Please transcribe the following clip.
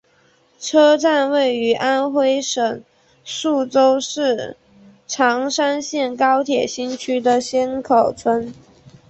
车站位于安徽省宿州市砀山县高铁新区薛口村。